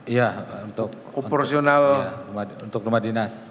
iya untuk rumah dinas